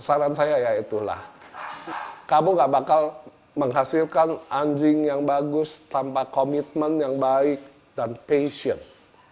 saran saya ya itulah kamu gak bakal menghasilkan anjing yang bagus tanpa komitmen yang baik dan passion